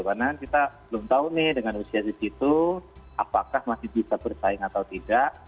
karena kita belum tahu nih dengan usia di situ apakah masih bisa bersaing atau tidak